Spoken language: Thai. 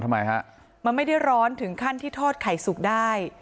ทำไมฮะมันไม่ได้ร้อนถึงขั้นที่ทอดไข่สุกได้